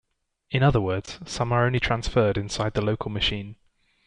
In other words, some are only transferred inside the local machine.